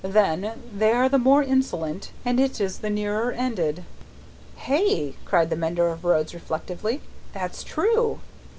Then, they are the more insolent, and it is the nearer ended." "Hey!" cried the mender of roads, reflectively; "that's true."